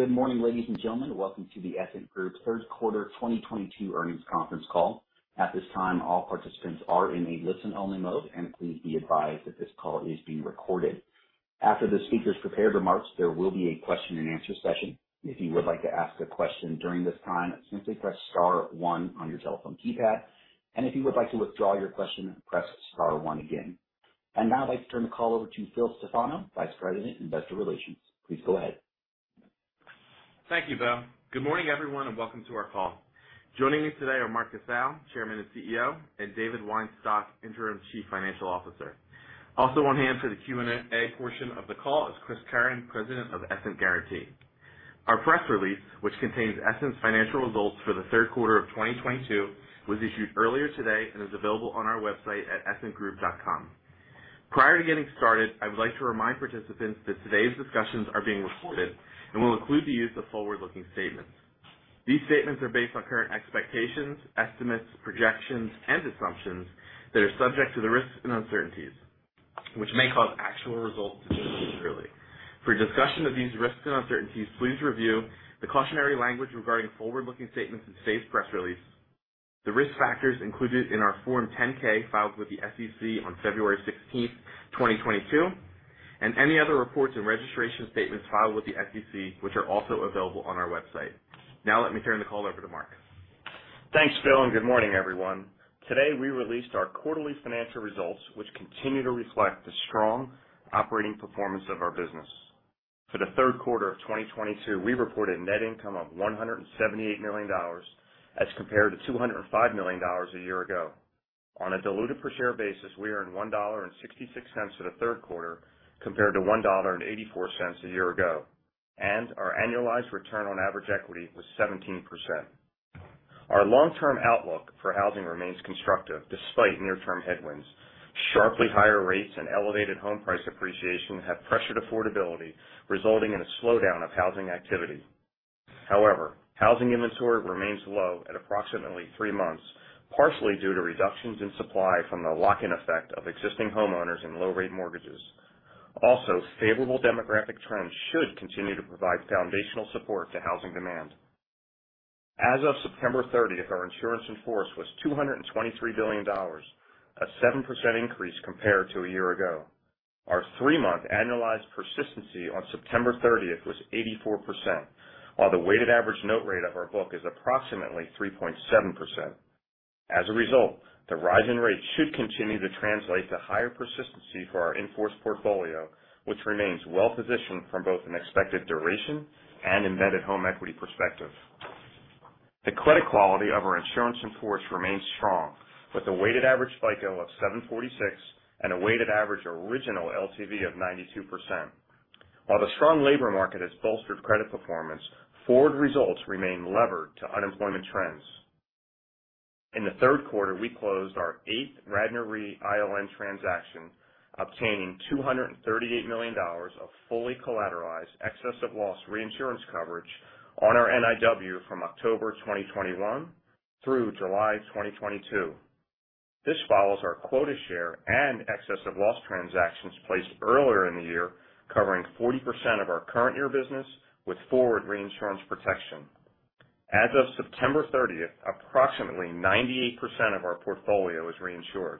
Good morning, ladies and gentlemen. Welcome to the Essent Group third quarter 2022 earnings conference call. At this time, all participants are in a listen-only mode, and please be advised that this call is being recorded. After the speaker's prepared remarks, there will be a question-and-answer session. If you would like to ask a question during this time, simply press star one on your telephone keypad, and if you would like to withdraw your question, press star one again. I'd now like to turn the call over to Phil Stefano, Vice President, Investor Relations. Please go ahead. Thank you, Bill. Good morning, everyone, and welcome to our call. Joining me today are Mark Casale, Chairman and CEO, and David Weinstock, Interim Chief Financial Officer. Also on hand for the Q&A portion of the call is add Chris Curran, President of Essent Guaranty. Our press release, which contains Essent's financial results for the third quarter of 2022, was issued earlier today and is available on our website at essentgroup.com. Prior to getting started, I would like to remind participants that today's discussions are being recorded and will include the use of forward-looking statements. These statements are based on current expectations, estimates, projections, and assumptions that are subject to the risks and uncertainties which may cause actual results to differ materially. For a discussion of these risks and uncertainties, please review the cautionary language regarding forward-looking statements in today's press release, the risk factors included in our Form 10-K filed with the SEC on February 16, 2022, and any other reports and registration statements filed with the SEC, which are also available on our website. Now let me turn the call over to Mark. Thanks, Phil, and good morning, everyone. Today, we released our quarterly financial results, which continue to reflect the strong operating performance of our business. For the third quarter of 2022, we reported net income of $178 million as compared to $205 million a year ago. On a diluted per share basis, we earned $1.66 for the third quarter compared to $1.84 a year ago. Our annualized return on average equity was 17%. Our long-term outlook for housing remains constructive despite near-term headwinds. Sharply higher rates and elevated home price appreciation have pressured affordability, resulting in a slowdown of housing activity. However, housing inventory remains low at approximately three months, partially due to reductions in supply from the lock-in effect of existing homeowners in low rate mortgages. Favorable demographic trends should continue to provide foundational support to housing demand. As of September 30, our insurance in force was $223 billion, a 7% increase compared to a year ago. Our three-month annualized persistency on September 30 was 84%, while the weighted average note rate of our book is approximately 3.7%. As a result, the rise in rates should continue to translate to higher persistency for our in-force portfolio, which remains well-positioned from both an expected duration and embedded home equity perspective. The credit quality of our insurance in force remains strong, with a weighted average FICO of 746 and a weighted average original LTV of 92%. While the strong labor market has bolstered credit performance, forward results remain levered to unemployment trends. In the third quarter, we closed our eighth Radnor Re ILN transaction, obtaining $238 million of fully collateralized excess of loss reinsurance coverage on our NIW from October 2021 through July 2022. This follows our quota share and excess of loss transactions placed earlier in the year, covering 40% of our current year business with forward reinsurance protection. As of September 30, approximately 98% of our portfolio is reinsured.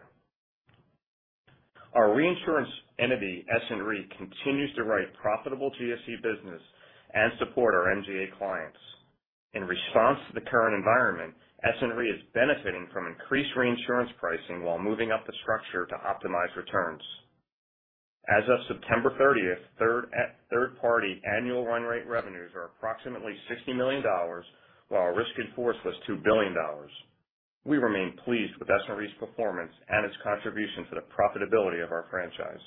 Our reinsurance entity, Essent Re, continues to write profitable GSE business and support our MGA clients. In response to the current environment, Essent Re is benefiting from increased reinsurance pricing while moving up the structure to optimize returns. As of September 30, third party annual run rate revenues are approximately $60 million, while our risk in force was $2 billion. We remain pleased with Essent Re's performance and its contribution to the profitability of our franchise.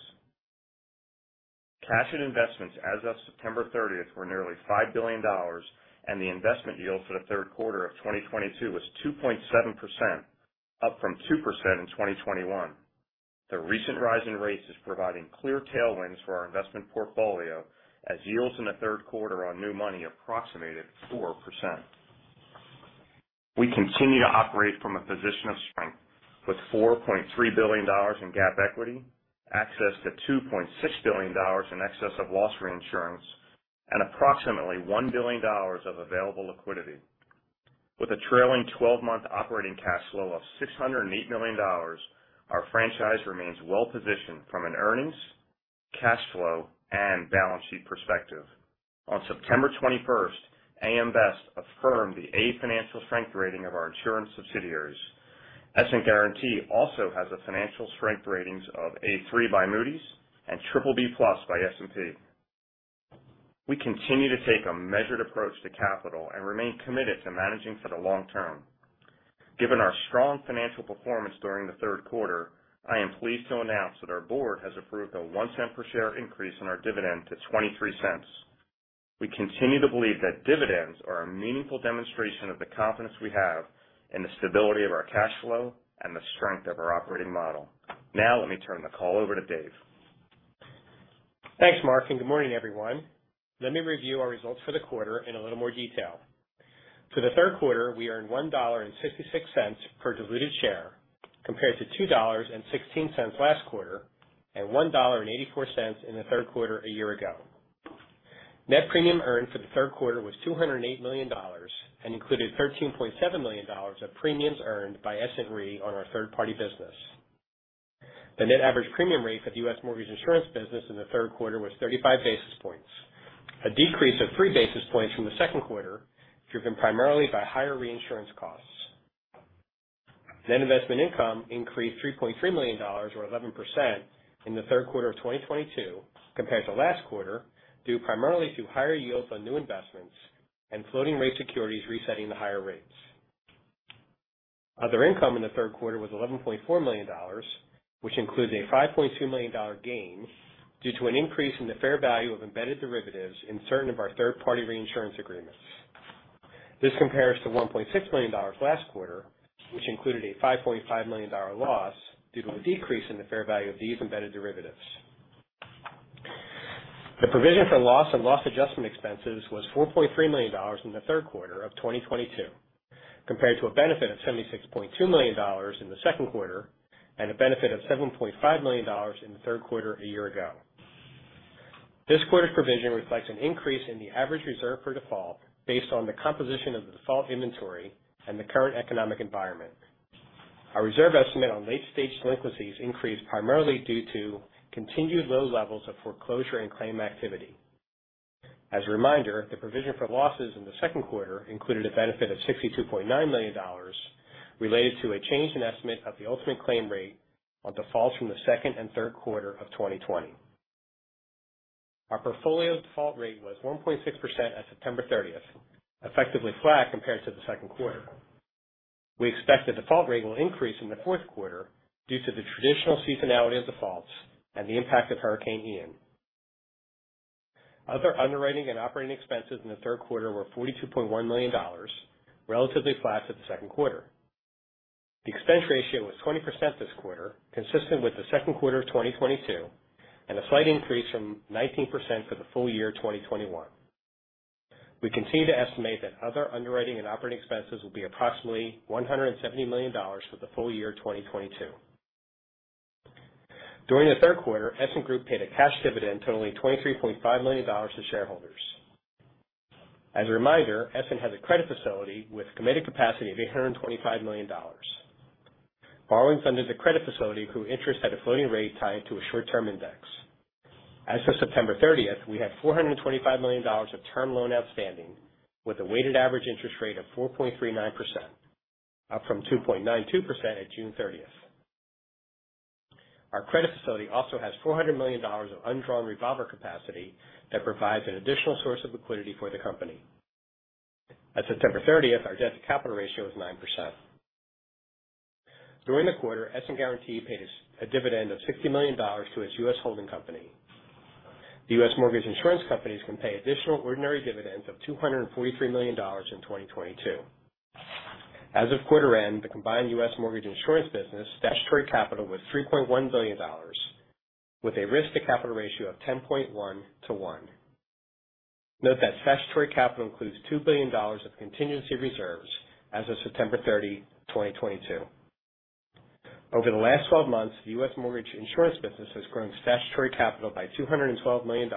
Cash and investments as of September 30 were nearly $5 billion, and the investment yield for the third quarter of 2022 was 2.7%, up from 2% in 2021. The recent rise in rates is providing clear tailwinds for our investment portfolio as yields in the third quarter on new money approximated 4%. We continue to operate from a position of strength with $4.3 billion in GAAP equity, access to $2.6 billion in excess of loss reinsurance, and approximately $1 billion of available liquidity. With a trailing 12-month operating cash flow of $608 million, our franchise remains well positioned from an earnings, cash flow, and balance sheet perspective. On September 21, AM Best affirmed the A financial strength rating of our insurance subsidiaries. Essent Guaranty also has a financial strength rating of A3 by Moody's and BBB+ by S&P. We continue to take a measured approach to capital and remain committed to managing for the long term. Given our strong financial performance during the third quarter, I am pleased to announce that our Board has approved a $0.01 per share increase in our dividend to $0.23. We continue to believe that dividends are a meaningful demonstration of the confidence we have in the stability of our cash flow and the strength of our operating model. Now let me turn the call over to Dave. Thanks, Mark, and good morning, everyone. Let me review our results for the quarter in a little more detail. For the third quarter, we earned $1.66 per diluted share, compared to $2.16 last quarter, and $1.84 in the third quarter a year ago. Net premium earned for the third quarter was $208 million and included $13.7 million of premiums earned by Essent Re on our third-party business. The net average premium rate for the U.S. Mortgage Insurance business in the third quarter was 35 basis points, a decrease of 3 basis points from the second quarter, driven primarily by higher reinsurance costs. Net investment income increased $3.3 million, or 11% in the third quarter of 2022 compared to last quarter, due primarily to higher yields on new investments and floating rate securities resetting to higher rates. Other income in the third quarter was $11.4 million, which includes a $5.2 million gain due to an increase in the fair value of embedded derivatives in certain of our third-party reinsurance agreements. This compares to $1.6 million last quarter, which included a $5.5 million loss due to a decrease in the fair value of these embedded derivatives. The provision for loss and loss adjustment expenses was $4.3 million in the third quarter of 2022, compared to a benefit of $76.2 million in the second quarter and a benefit of $7.5 million in the third quarter a year ago. This quarter's provision reflects an increase in the average reserve per default based on the composition of the default inventory and the current economic environment. Our reserve estimate on late stage delinquencies increased primarily due to continued low levels of foreclosure and claim activity. As a reminder, the provision for losses in the second quarter included a benefit of $62.9 million related to a change in estimate of the ultimate claim rate on defaults from the second and third quarter of 2020. Our portfolio default rate was 1.6% at September 30, effectively flat compared to the second quarter. We expect the default rate will increase in the fourth quarter due to the traditional seasonality of defaults and the impact of Hurricane Ian. Other underwriting and operating expenses in the third quarter were $42.1 million, relatively flat to the second quarter. The expense ratio was 20% this quarter, consistent with the second quarter of 2022, and a slight increase from 19% for the full year of 2021. We continue to estimate that other underwriting and operating expenses will be approximately $170 million for the full year of 2022. During the third quarter, Essent Group paid a cash dividend totaling $23.5 million to shareholders. As a reminder, Essent has a credit facility with committed capacity of $825 million. Borrowings under the credit facility accrue interest at a floating rate tied to a short-term index. As of September 30th, we had $425 million of term loan outstanding with a weighted average interest rate of 4.39%, up from 2.92% at June 30th. Our credit facility also has $400 million of undrawn revolver capacity that provides an additional source of liquidity for the company. At September 30, our debt-to-capital ratio was 9%. During the quarter, Essent Guaranty paid a dividend of $60 million to its U.S. holding company. The U.S. mortgage insurance companies can pay additional ordinary dividends of $243 million in 2022. As of quarter end, the combined U.S. Mortgage Insurance business statutory capital was $3.1 billion, with a risk-to-capital ratio of 10.1 to 1. Note that statutory capital includes $2 billion of contingency reserves as of September 30, 2022. Over the last 12 months, the U.S. Mortgage Insurance business has grown statutory capital by $212 million,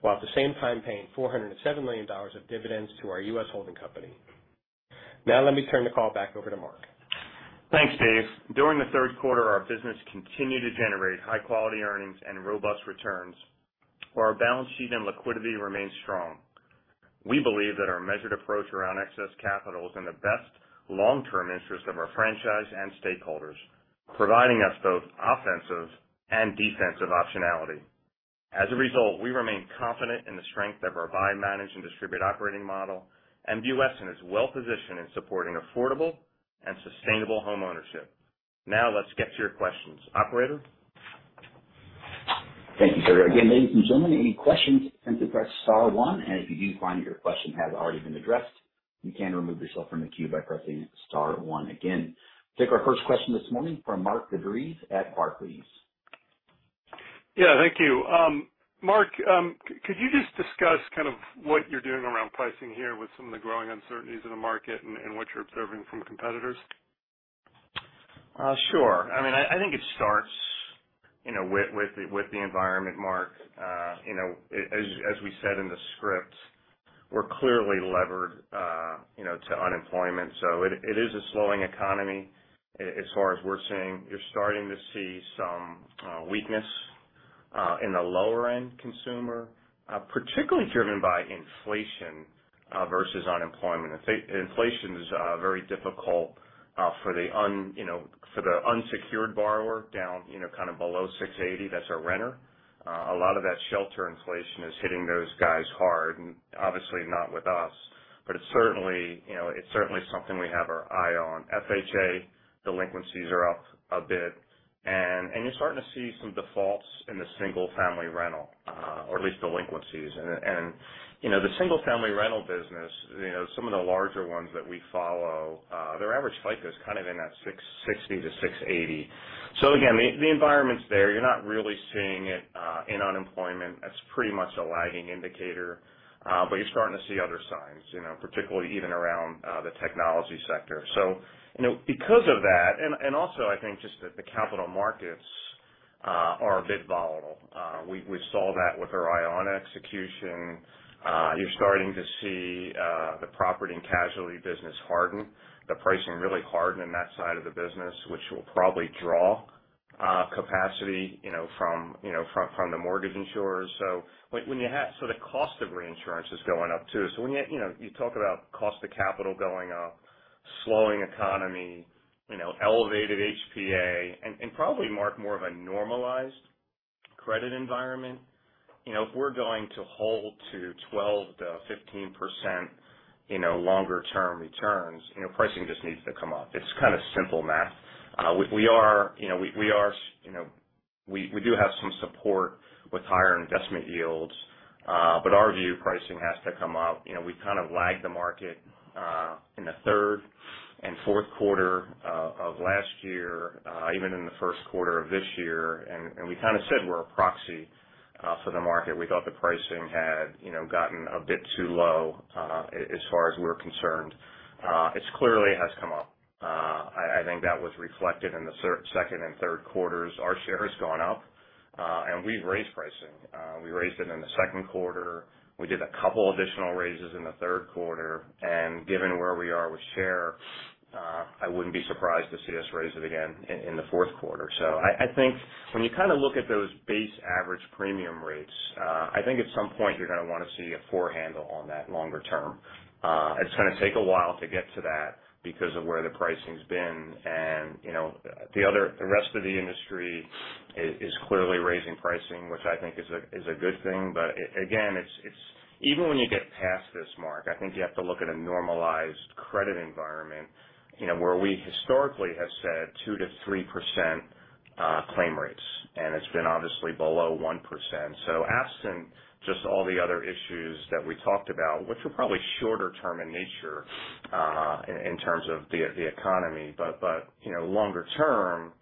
while at the same time paying $407 million of dividends to our U.S. holding company. Now let me turn the call back over to Mark. Thanks, Dave. During the third quarter, our business continued to generate high quality earnings and robust returns, while our balance sheet and liquidity remains strong. We believe that our measured approach around excess capital is in the best long-term interest of our franchise and stakeholders, providing us both offensive and defensive optionality. As a result, we remain confident in the strength of our buy, manage, and distribute operating model and view Essent as well-positioned in supporting affordable and sustainable homeownership. Now let's get to your questions. Operator? Thank you. Once again, ladies and gentlemen, any questions, simply press star one, and if you do find your question has already been addressed, you can remove yourself from the queue by pressing star one again. Take our first question this morning from Mark DeVries at Barclays. Yeah, thank you. Mark, could you just discuss kind of what you're doing around pricing here with some of the growing uncertainties in the market and what you're observing from competitors? Sure. I mean, I think it starts, you know, with the environment, Mark. You know, as we said in the script, we're clearly levered, you know, to unemployment, so it is a slowing economy as far as we're seeing. You're starting to see some weakness in the lower end consumer, particularly driven by inflation versus unemployment. Inflation is very difficult, you know, for the unsecured borrower down, you know, kind of below 680, that's our renter. A lot of that shelter inflation is hitting those guys hard and obviously not with us, but it's certainly, you know, something we have our eye on. FHA delinquencies are up a bit. You're starting to see some defaults in the single family rental, or at least delinquencies. You know, the single family rental business, you know, some of the larger ones that we follow, their average FICO is kind of in that 660-680. Again, the environment's there. You're not really seeing it in unemployment. That's pretty much a lagging indicator, but you're starting to see other signs, you know, particularly even around the technology sector. You know, because of that, and also I think just that the capital markets are a bit volatile. We saw that with our ILN execution. You're starting to see the Property and Casualty business harden, the pricing really harden in that side of the business, which will probably draw capacity, you know, from the mortgage insurers. The cost of reinsurance is going up too. When you know, talk about cost of capital going up, slowing economy, you know, elevated HPA and probably, Mark, more of a normalized credit environment. You know, if we're going to hold to 12%-15%, you know, longer term returns, you know, pricing just needs to come up. It's kind of simple math. We, you know, do have some support with higher investment yields, but our view pricing has to come up. You know, we've kind of lagged the market in the third and fourth quarter of last year, even in the first quarter of this year. We kind of said we're a proxy for the market. We thought the pricing had, you know, gotten a bit too low, as far as we're concerned. It clearly has come up. I think that was reflected in the second and third quarters. Our share has gone up, and we've raised pricing. We raised it in the second quarter. We did a couple additional raises in the third quarter. Given where we are with share, I wouldn't be surprised to see us raise it again in the fourth quarter. I think when you kind of look at those base average premium rates, I think at some point you're going to wanna see a four handle on that longer term. It's going to take a while to get to that because of where the pricing's been. You know, the rest of the industry is clearly raising pricing, which I think is a good thing. But again, it's even when you get past this Mark, I think you have to look at a normalized credit environment, you know, where we historically have said 2%-3% claim rates, and it's been obviously below 1%. Absent just all the other issues that we talked about, which are probably shorter term in nature, in terms of the economy. But you know, longer term,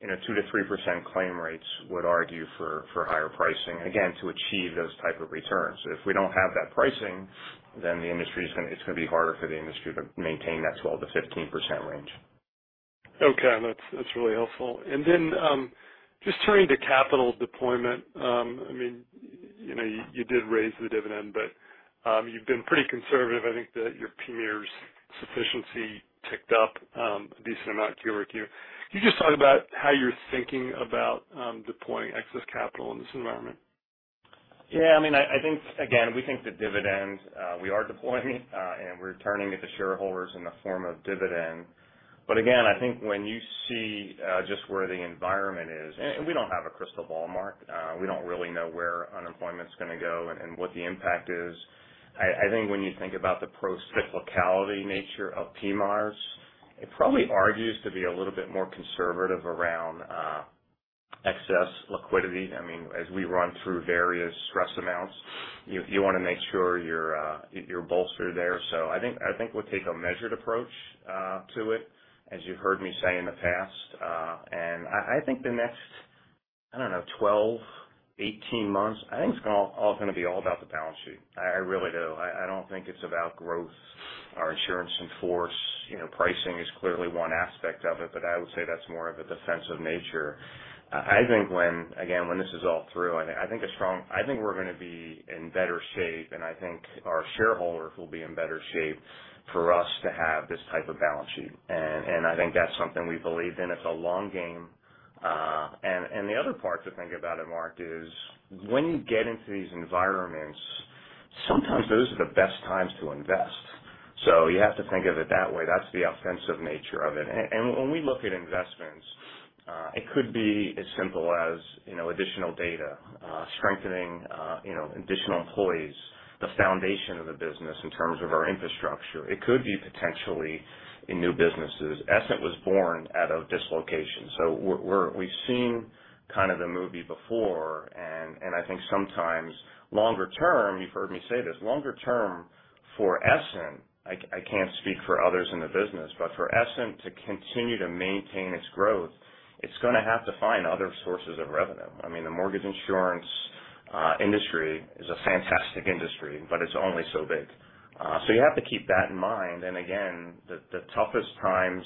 you know, 2%-3% claim rates would argue for higher pricing, again, to achieve those type of returns. If we don't have that pricing, then it's going to be harder for the industry to maintain that 12%-15% range. Okay. That's really helpful. Just turning to capital deployment. I mean, you know, you did raise the dividend, but you've been pretty conservative. I think that your PMIERs sufficiency ticked up a decent amount Q-over-Q. Can you just talk about how you're thinking about deploying excess capital in this environment? Yeah, I mean, I think again, we think the dividends we are deploying and returning it to shareholders in the form of dividend. Again, I think when you see just where the environment is, and we don't have a crystal ball Mark, we don't really know where unemployment's going to go and what the impact is. I think when you think about the procyclical nature of PMIERs, it probably argues to be a little bit more conservative around excess liquidity. I mean, as we run through various stress amounts, you wanna make sure you're bolstered there. I think we'll take a measured approach to it, as you've heard me say in the past. I think the next, I don't know, 12, 18 months, I think it's all going to be all about the balance sheet. I really do. I don't think it's about growth. Our insurance in force, you know, pricing is clearly one aspect of it, but I would say that's more of a defensive nature. I think when, again, when this is all through, I think we're going to be in better shape, and I think our shareholders will be in better shape for us to have this type of balance sheet. I think that's something we believe in. It's a long game. The other part to think about it Mark is when you get into these environments, sometimes those are the best times to invest. You have to think of it that way. That's the offensive nature of it. When we look at investments, it could be as simple as, you know, additional data, strengthening, you know, additional employees, the foundation of the business in terms of our infrastructure. It could be potentially in new businesses. Essent was born out of dislocation. We've seen kind of the movie before. I think sometimes longer term, you've heard me say this, longer term for Essent, I can't speak for others in the business, but for Essent to continue to maintain its growth, it's going to have to find other sources of revenue. I mean, the mortgage insurance industry is a fantastic industry, but it's only so big. You have to keep that in mind. Again, the toughest times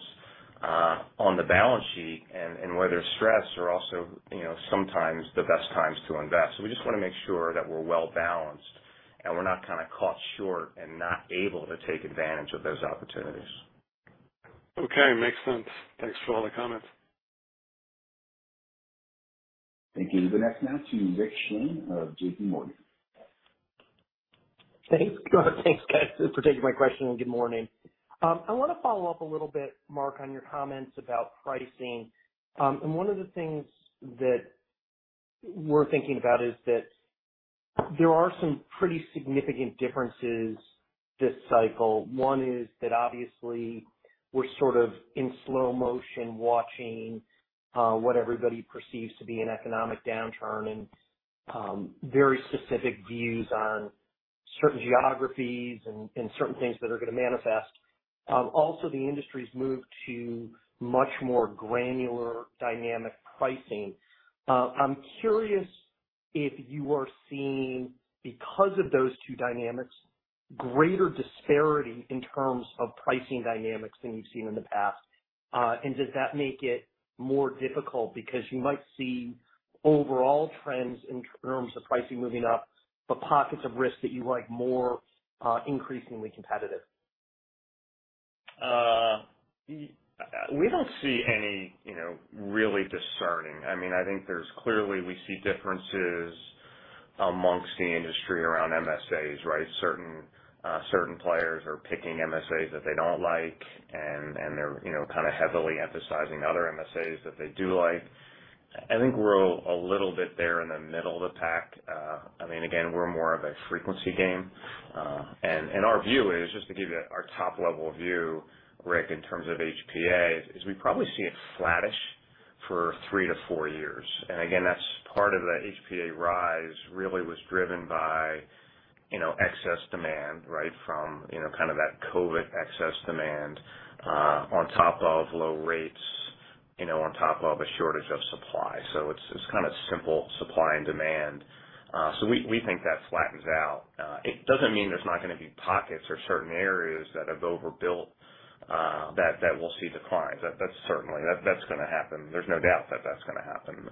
on the balance sheet and where there's stress are also, you know, sometimes the best times to invest. We just wanna make sure that we're well balanced and we're not kind of caught short and not able to take advantage of those opportunities. Okay. Makes sense. Thanks for all the comments. Thank you. The next now to Rick Shane of JPMorgan. Thanks, guys, for taking my question, and good morning. I wanna follow up a little bit, Mark, on your comments about pricing. One of the things that we're thinking about is that- There are some pretty significant differences this cycle. One is that obviously we're sort of in slow motion watching what everybody perceives to be an economic downturn and very specific views on certain geographies and certain things that are going to manifest. Also the industry's moved to much more granular dynamic pricing. I'm curious if you are seeing, because of those two dynamics, greater disparity in terms of pricing dynamics than you've seen in the past. Does that make it more difficult because you might see overall trends in terms of pricing moving up, but pockets of risk that you like more increasingly competitive? We don't see any, you know, really discerning. I mean, I think there's clearly we see differences amongst the industry around MSAs, right? Certain players are picking MSAs that they don't like, and they're, you know, kind of heavily emphasizing other MSAs that they do like. I think we're a little bit there in the middle of the pack. I mean, again, we're more of a frequency game. Our view is, just to give you our top level view, Rick, in terms of HPAs, is we probably see it flattish for three to four years. That's part of the HPA rise really was driven by, you know, excess demand, right? From, you know, kind of that COVID excess demand, on top of low rates, you know, on top of a shortage of supply. It's kind of simple supply and demand. We think that flattens out. It doesn't mean there's not going to be pockets or certain areas that have overbuilt, that will see declines. That's certainly. That's going to happen. There's no doubt that that's going to happen.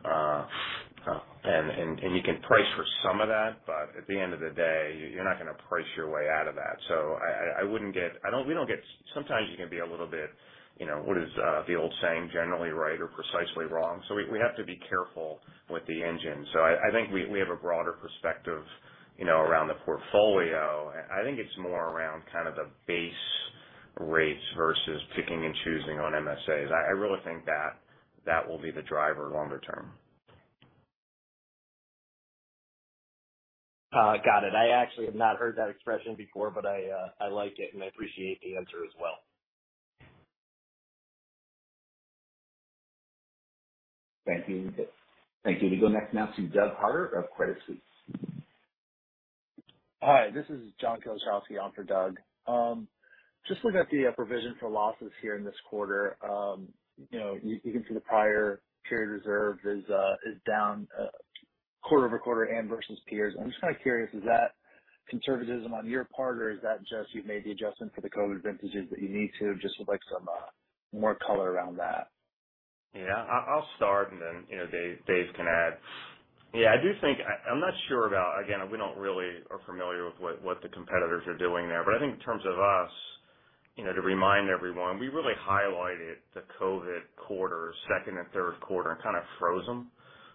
You can price for some of that, but at the end of the day, you're not going to price your way out of that. Sometimes you can be a little bit, you know, what is the old saying? Generally right or precisely wrong. We have to be careful with the engine. I think we have a broader perspective, you know, around the portfolio. I think it's more around kind of the base rates versus picking and choosing on MSAs. I really think that will be the driver longer term. Got it. I actually have not heard that expression before, but I like it, and I appreciate the answer as well. Thank you. We go next now to Doug Harter of Credit Suisse. Hi, this is John Kilichowski on for Doug. Just looking at the provision for losses here in this quarter. You know, you can see the prior period reserves is down quarter over quarter and versus peers. I'm just kind of curious, is that conservatism on your part, or is that just you've made the adjustment for the COVID vintages that you need to? Just would like some more color around that. Yeah. I'll start, and then, you know, Dave can add. Yeah, I do think. I'm not sure about, again, we're not really familiar with what the competitors are doing there. I think in terms of us, you know, to remind everyone, we really highlighted the COVID quarters, second and third quarters, and kind of froze them.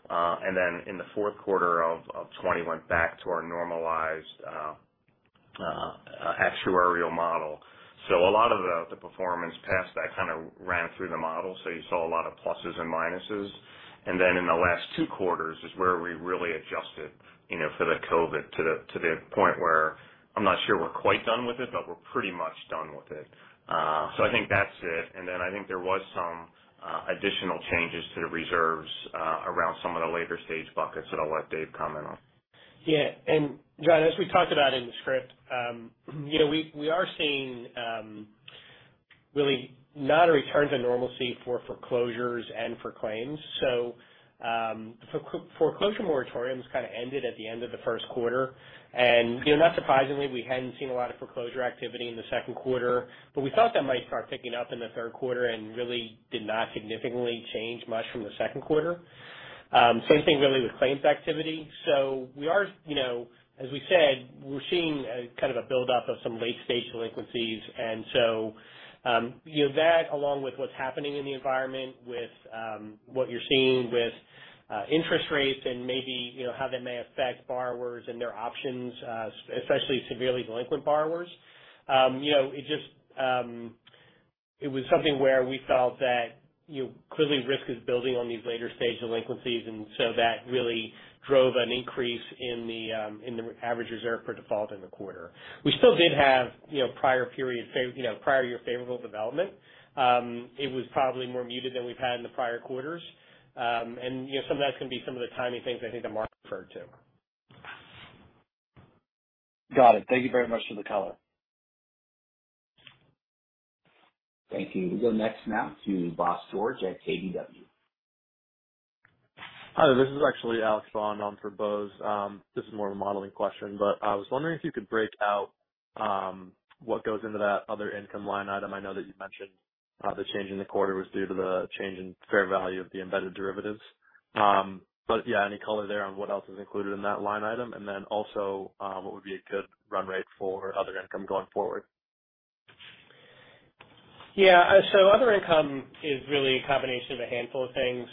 Then in the fourth quarter of 2020, went back to our normalized actuarial model. A lot of the performance past that kind of ran through the model, so you saw a lot of pluses and minuses. Then in the last two quarters is where we really adjusted, you know, for the COVID to the point where I'm not sure we're quite done with it, but we're pretty much done with it. I think that's it. I think there was some additional changes to the reserves around some of the later stage buckets that I'll let Dave comment on. Yeah. John, as we talked about in the script, you know, we are seeing really not a return to normalcy for foreclosures and for claims. The foreclosure moratoriums kind of ended at the end of the first quarter. You know, not surprisingly, we hadn't seen a lot of foreclosure activity in the second quarter. We felt that might start picking up in the third quarter and really did not significantly change much from the second quarter. Same thing really with claims activity. We are, you know, as we said, we're seeing kind of a build up of some late-stage delinquencies. You know, that along with what's happening in the environment with what you're seeing with interest rates and maybe, you know, how that may affect borrowers and their options, especially severely delinquent borrowers. You know, it just, it was something where we felt that, you know, clearly risk is building on these later stage delinquencies, and so that really drove an increase in the, in the average reserve for default in the quarter. We still did have, you know, prior year favorable development. It was probably more muted than we've had in the prior quarters. You know, some of that's going to be some of the timing things I think that Mark referred to. Got it. Thank you very much for the color. Thank you. We go next now to Bose George at KBW. Hi, this is actually Alex Bond on for Bose. This is more of a modeling question, but I was wondering if you could break out what goes into that other income line item. I know that you've mentioned the change in the quarter was due to the change in fair value of the embedded derivatives. Yeah, any color there on what else is included in that line item? Then also, what would be a good run rate for other income going forward? Yeah. So other income is really a combination of a handful of things.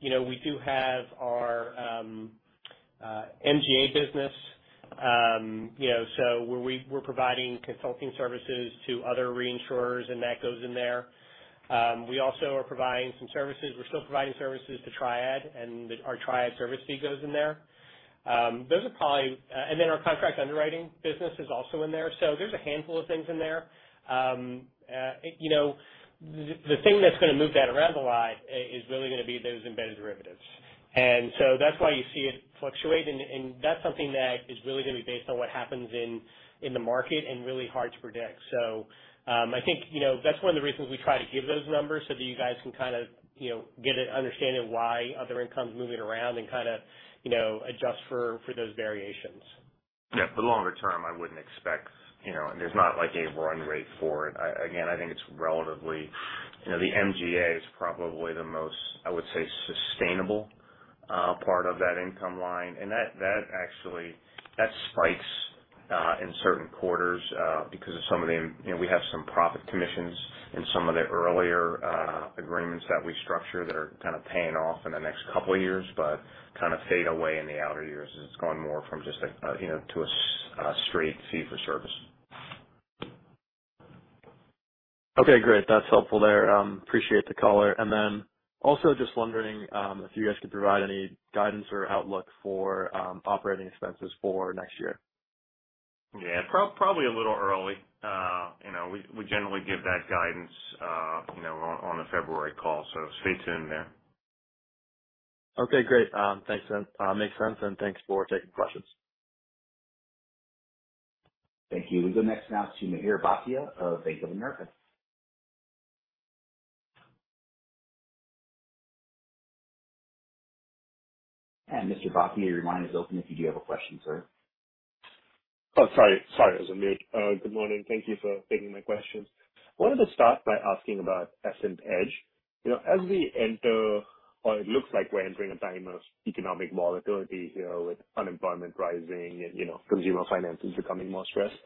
You know, we do have our MGA business, you know, so we're providing consulting services to other reinsurers, and that goes in there. We also are providing some services. We're still providing services to Triad, and our Triad service fee goes in there. Those are probably, and then our contract underwriting business is also in there. So there's a handful of things in there. You know, the thing that's going to move that around a lot is really going to be those embedded derivatives. That's why you see it fluctuate, and that's something that is really going to be based on what happens in the market and really hard to predict. I think, you know, that's one of the reasons we try to give those numbers so that you guys can kind of, you know, get an understanding of why other income's moving around and kind of, you know, adjust for those variations. Yeah, for the longer term, I wouldn't expect, you know, there's not like a run rate for it. Again, I think it's relatively, you know, the MGA is probably the most, I would say, sustainable part of that income line. That actually spikes in certain quarters because of some of the. You know, we have some profit commissions in some of the earlier agreements that we structure that are kind of paying off in the next couple of years, but kind of fade away in the outer years as it's gone more from just a, you know, to a straight fee for service. Okay, great. That's helpful there. Appreciate the color. Just wondering if you guys could provide any guidance or outlook for operating expenses for next year. Yeah, probably a little early. You know, we generally give that guidance, you know, on the February call, so stay tuned there. Okay, great. Thanks then. Makes sense, and thanks for taking questions. Thank you. We go next now to Mihir Bhatia of Bank of America. Mr. Bhatia, your line is open if you do have a question, sir. Oh, sorry. Sorry, it was on mute. Good morning. Thank you for taking my questions. Wanted to start by asking about Essent EssentEDGE. You know, as we enter or it looks like we're entering a time of economic volatility, you know, with unemployment rising and, you know, consumer finances becoming more stressed.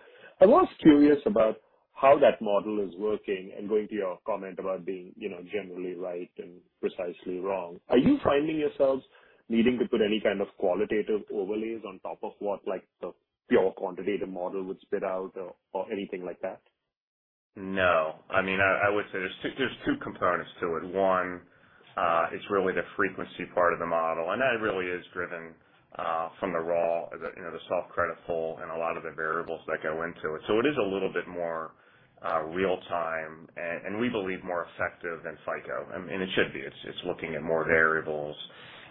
I was curious about how that model is working and going to your comment about being, you know, generally right and precisely wrong. Are you finding yourselves needing to put any kind of qualitative overlays on top of what like the pure quantitative model would spit out or anything like that? No. I mean, I would say there's two components to it. One, it's really the frequency part of the model, and that really is driven from the raw, you know, the soft credit pull and a lot of the variables that go into it. So it is a little bit more real time and we believe more effective than FICO. I mean, it should be. It's looking at more variables.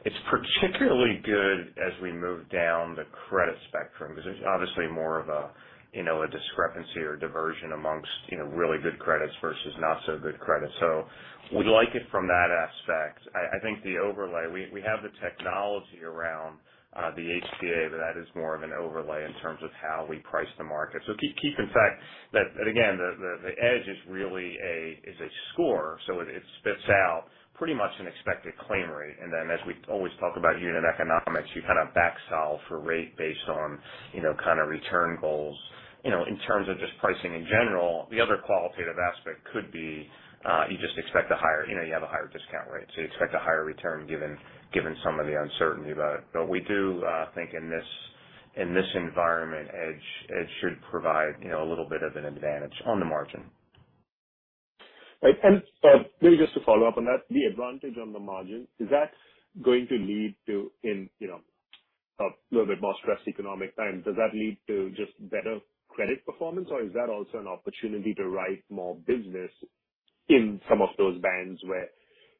It's particularly good as we move down the credit spectrum because there's obviously more of a you know a discrepancy or diversion amongst you know really good credits versus not so good credits. So we like it from that aspect. I think the overlay, we have the technology around the HPA, but that is more of an overlay in terms of how we price the market. Keep in mind that, again, the EssentEDGE is really a score, so it spits out pretty much an expected claim rate. Then as we always talk about unit economics, you kind of back solve for rate based on, you know, kind of return goals. You know, in terms of just pricing in general, the other qualitative aspect could be, you just expect a higher, you know, you have a higher discount rate. You expect a higher return given some of the uncertainty about it. We do think in this environment, EssentEDGE should provide, you know, a little bit of an advantage on the margin. Right. Maybe just to follow up on that, the advantage on the margin, is that going to lead to in, you know, a little bit more stressed economic time, does that lead to just better credit performance, or is that also an opportunity to write more business in some of those bands where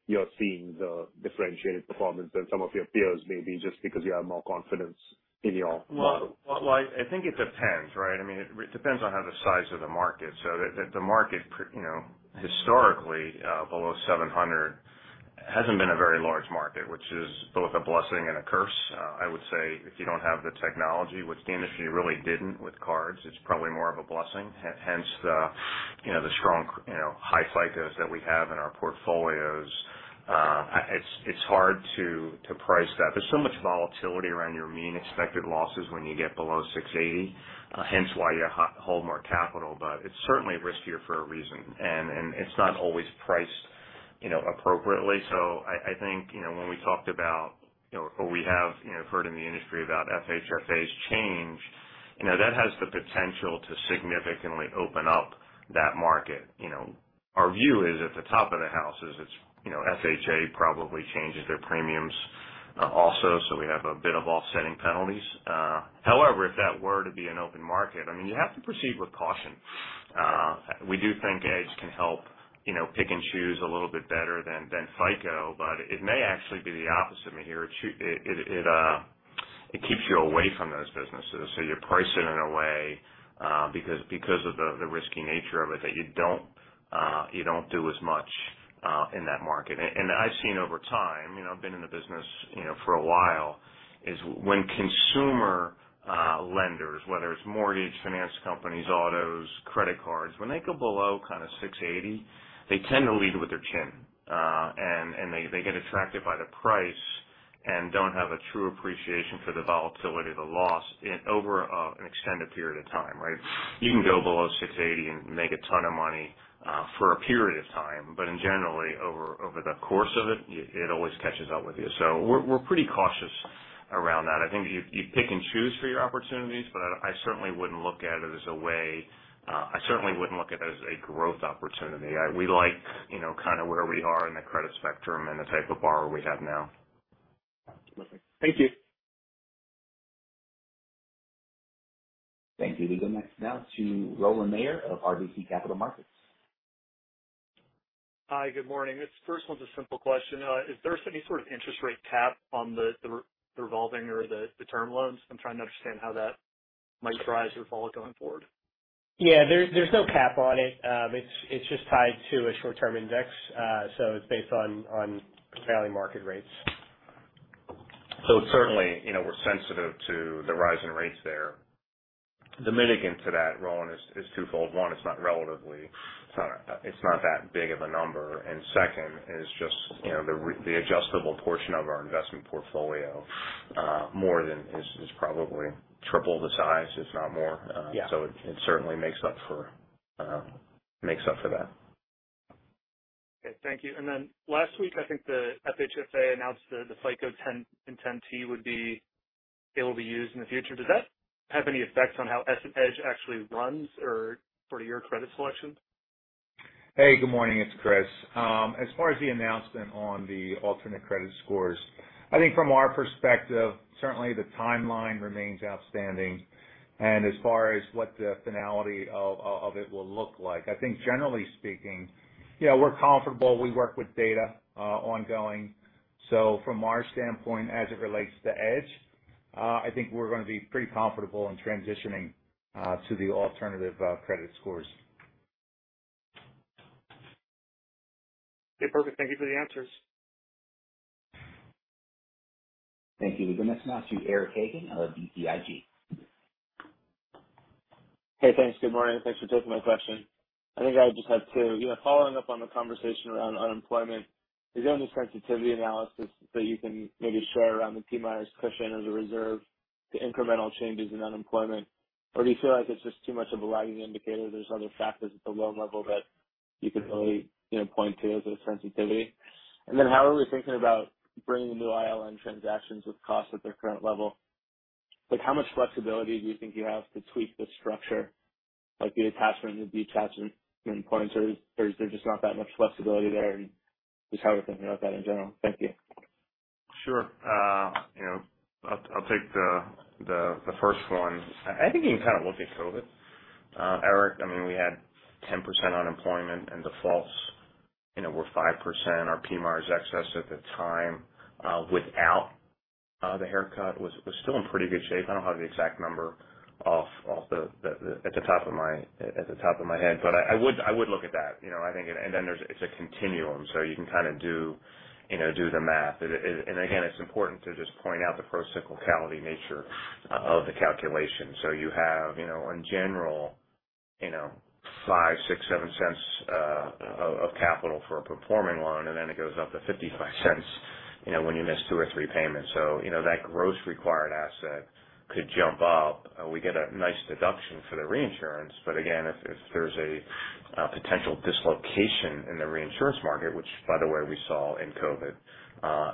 you're seeing the differentiated performance than some of your peers, maybe just because you have more confidence in your model? Well, I think it depends, right? I mean, it depends on how the size of the market. The market, you know, historically, below 700 hasn't been a very large market, which is both a blessing and a curse. I would say if you don't have the technology, which the industry really didn't with cards, it's probably more of a blessing. Hence the, you know, high FICOs that we have in our portfolios. It's hard to price that. There's so much volatility around your mean expected losses when you get below 680, hence why you hold more capital. It's certainly riskier for a reason, and it's not always priced, you know, appropriately. I think, you know, when we talked about, you know, or we have, you know, heard in the industry about FHFA's change, you know, that has the potential to significantly open up that market. You know, our view at the top of the house is it's, you know, FHA probably changes their premiums, also, so we have a bit of offsetting penalties. However, if that were to be an open market, I mean, you have to proceed with caution. We do think EssentEDGE can help, you know, pick and choose a little bit better than FICO, but it may actually be the opposite, Mihir. It keeps you away from those businesses. You price it in a way because of the risky nature of it that you don't do as much in that market. I've seen over time, you know, I've been in the business, you know, for a while, is when consumer lenders, whether it's mortgage, finance companies, autos, credit cards, when they go below kind of 680, they tend to lead with their chin. They get attracted by the price and don't have a true appreciation for the volatility of the loss in over an extended period of time, right? You can go below 680 and make a ton of money for a period of time. But generally, over the course of it always catches up with you. We're pretty cautious around that. I think you pick and choose for your opportunities, but I certainly wouldn't look at it as a way, I certainly wouldn't look at it as a growth opportunity. We like, you know, kind of where we are in the credit spectrum and the type of borrower we have now. Okay. Thank you. Thank you. We go next now to Rowland Mayor of RBC Capital Markets. Hi, good morning. This first one's a simple question. Is there any sort of interest rate cap on the revolving or the term loans? I'm trying to understand how that might rise or fall going forward. Yeah. There's no cap on it. It's just tied to a short-term index. So it's based on prevailing market rates. So certainly, you know, we're sensitive to the rise in rates there. The mitigant to that, Rowland, is twofold. One, it's not that big of a number. And second is just, you know, the adjustable portion of our investment portfolio more than is probably triple the size, if not more. Yeah. It certainly makes up for that. Okay. Thank you. Then last week, I think the FHFA announced the FICO 10 and 10 T would be able to be used in the future. Does that have any effect on how EssentEDGE actually runs or for your credit selections? Hey, good morning. It's Chris. As far as the announcement on the alternate credit scores, I think from our perspective, certainly the timeline remains outstanding. As far as what the finality of it will look like, I think generally speaking, yeah, we're comfortable. We work with data ongoing. From our standpoint, as it relates to EssentEDGE, I think we're going to be pretty comfortable in transitioning to the alternative credit scores. Okay, perfect. Thank you for the answers. Thank you. We go next now to Eric Hagen of BTIG. Hey, thanks. Good morning. Thanks for taking my question. I think I just have two. You know, following up on the conversation around unemployment, is there any sensitivity analysis that you can maybe share around the PMIERs cushion as a reserve to incremental changes in unemployment? Or do you feel like it's just too much of a lagging indicator, there's other factors at the loan level that you can really, you know, point to as a sensitivity? And then how are we thinking about bringing new ILN transactions with costs at their current level? Like, how much flexibility do you think you have to tweak the structure, like the attachment, the detachment points, or is there just not that much flexibility there? And just how are we thinking about that in general? Thank you. Sure. You know, I'll take the first one. I think you can kind of look at COVID. Eric, I mean, we had 10% unemployment and defaults, you know, were 5%. Our PMIERs excess at the time, without the haircut, was still in pretty good shape. I don't have the exact number off the top of my head, but I would look at that. You know, I think. Then there's, it's a continuum, so you can kind of do, you know, do the math. It. Again, it's important to just point out the procyclical nature of the calculation. You have, you know, in general, you know, $0.05-$0.07 of capital for a performing loan, and then it goes up to $0.55, you know, when you miss 2 or 3 payments. You know, that gross required asset could jump up. We get a nice deduction for the reinsurance. But again, if there's a potential dislocation in the reinsurance market, which by the way, we saw in COVID,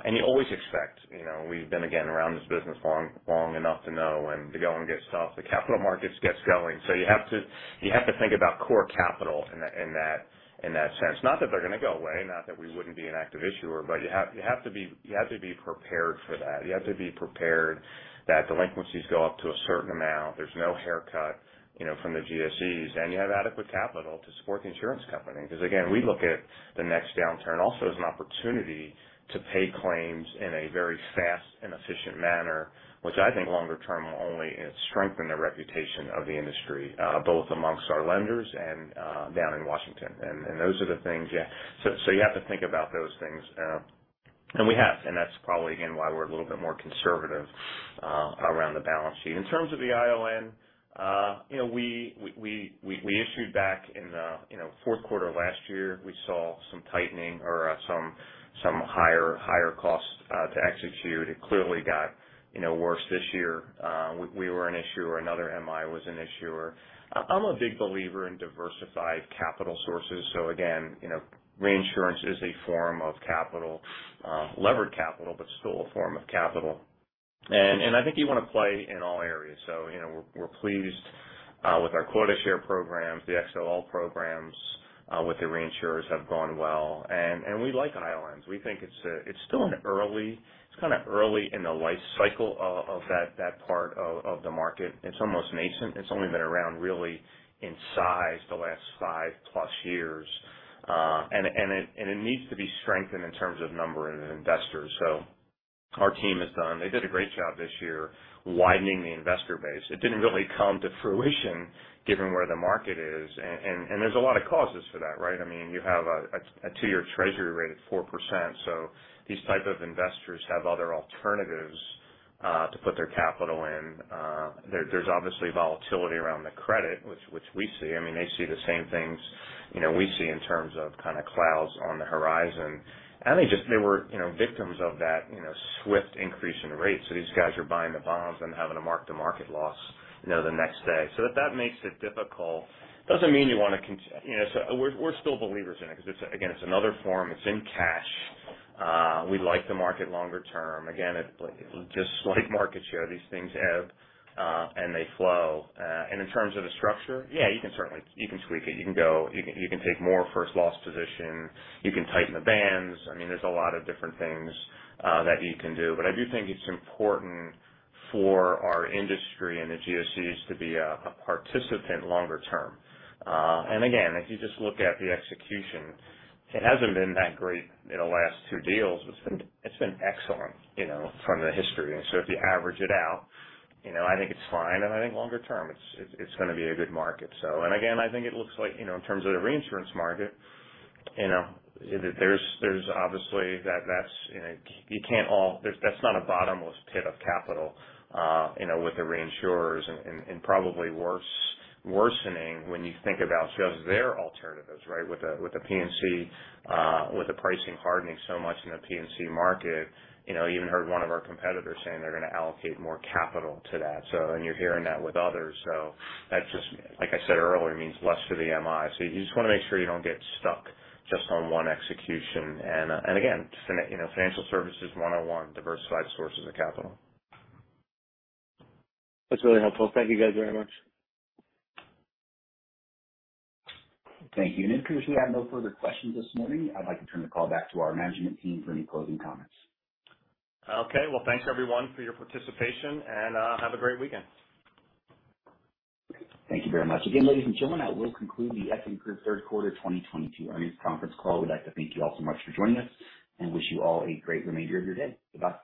and you always expect, you know, we've been, again, around this business long enough to know when the going gets tough, the capital markets gets going. You have to, you have to think about core capital in that sense. Not that they're going to go away, not that we wouldn't be an active issuer, but you have to be prepared for that. You have to be prepared that delinquencies go up to a certain amount. There's no haircut, you know, from the GSEs, and you have adequate capital to support the insurance company. Because again, we look at the next downturn also as an opportunity to pay claims in a very fast and efficient manner, which I think longer term will only strengthen the reputation of the industry, both amongst our lenders and down in Washington. Those are the things, yeah. You have to think about those things. That's probably again why we're a little bit more conservative around the balance sheet. In terms of the ILN, you know, we issued back in, you know, fourth quarter last year. We saw some tightening or some higher costs to execute. It clearly got, you know, worse this year. We were an issuer. Another MI was an issuer. I'm a big believer in diversified capital sources. You know, reinsurance is a form of capital, levered capital, but still a form of capital. I think you wanna play in all areas. You know, we're pleased with our quota share programs. The XOL programs with the reinsurers have gone well. We like ILNs. We think it's still kind of early in the lifecycle of that part of the market. It's almost nascent. It's only been around really in size the last 5+ years. It needs to be strengthened in terms of number and investors. Our team has done... They did a great job this year widening the investor base. It didn't really come to fruition given where the market is. There's a lot of causes for that, right? I mean, you have a 2-year Treasury rate at 4%, so these type of investors have other alternatives to put their capital in. There's obviously volatility around the credit, which we see. I mean, they see the same things, you know, we see in terms of kind of clouds on the horizon. They were, you know, victims of that, you know, swift increase in rates. These guys are buying the bonds and having to mark-to-market loss, you know, the next day. That makes it difficult. Doesn't mean you wanna. You know, we're still believers in it because it's again it's another form, it's in cash. We like the market longer term. Again, it's just like market share. These things ebb and they flow. In terms of the structure, yeah, you can certainly tweak it. You can go, you can take more first loss position, you can tighten the bands. I mean, there's a lot of different things that you can do. I do think it's important for our industry and the GSEs to be a participant longer term. Again, if you just look at the execution, it hasn't been that great in the last 2 deals. It's been excellent, you know, from the history. If you average it out, you know, I think it's fine, and I think longer term, it's going to be a good market. Again, I think it looks like, you know, in terms of the reinsurance market, you know, there's obviously that. That's not a bottomless pit of capital, you know, with the reinsurers and probably worsening when you think about just their alternatives, right? With the P&C, with the pricing hardening so much in the P&C market. You know, you even heard one of our competitors saying they're going to allocate more capital to that. You're hearing that with others. That just, like I said earlier, means less for the MI. You just wanna make sure you don't get stuck just on one execution. Again, you know, financial services 101, diversified sources of capital. That's really helpful. Thank you guys very much. Thank you. In conclusion, we have no further questions this morning. I'd like to turn the call back to our management team for any closing comments. Okay. Well, thanks everyone for your participation and have a great weekend. Thank you very much. Again, ladies and gentlemen, that will conclude the Essent third quarter 2022 earnings conference call. We'd like to thank you all so much for joining us and wish you all a great remainder of your day. Goodbye.